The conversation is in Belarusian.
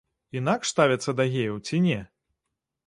Інакш ставяцца да геяў ці не?